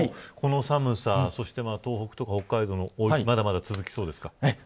この寒さ、東北とか北海道の大雪まだまだ続きそうですか。